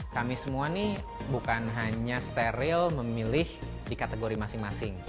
kami semua nih bukan hanya steril memilih di kategori masing masing